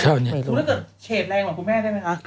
เจอสิบเชษแรงเหลว่าน้ำพุทรแม่ได้มั้ยคะ